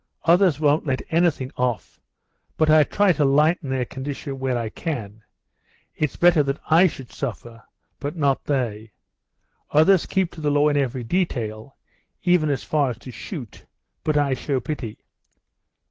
Others won't let anything off, but I try to lighten their condition where I can. It's better that I should suffer, but not they. Others keep to the law in every detail, even as far as to shoot, but I show pity.